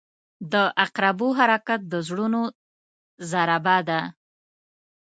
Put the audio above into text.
• د عقربو حرکت د زړونو ضربه ده.